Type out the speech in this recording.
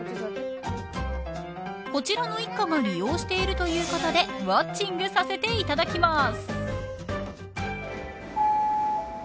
こちらの一家が利用しているということでウォッチングさせていただきます。